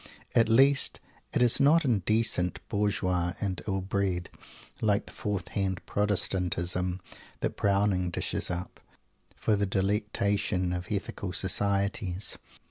At least it is not indecent, bourgeois, and ill bred, like the fourth hand Protestantism that Browning dishes up, for the delectation of Ethical Societies.